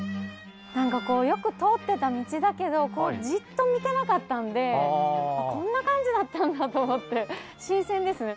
何かこうよく通ってた道だけどこうじっと見てなかったんであっこんな感じだったんだと思って新鮮ですね。